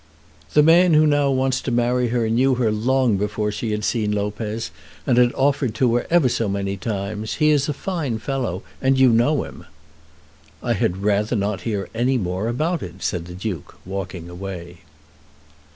"The man who now wants to marry her knew her long before she had seen Lopez, and had offered to her ever so many times. He is a fine fellow, and you know him." "I had rather not hear any more about it," said the Duke, walking away.